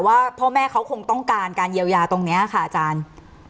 ว่าพ่อแม่เขาคงต้องการการเยียวยาตรงนี้ค่ะอาจารย์